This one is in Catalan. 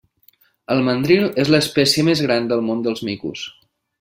El mandril és l'espècie més gran del món dels micos.